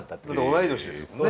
同い年ですもんね。